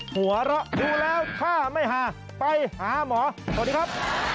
หัวเราะดูแล้วถ้าไม่หาไปหาหมอสวัสดีครับ